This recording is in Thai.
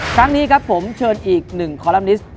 ครั้งนี้ครับผมเชิญอีกหนึ่งคอลัมนิสต์